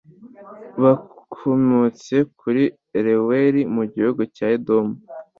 Bakomotse kuri Reweli mu gihugu cya Edomu